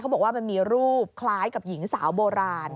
บอกว่ามันมีรูปคล้ายกับหญิงสาวโบราณ